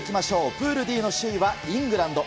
プールＤの首位はイングランド。